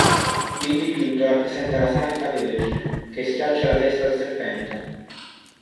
Il dipinto rappresenta la santa Vergine che schiaccia la testa al serpente.